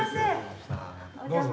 どうぞ。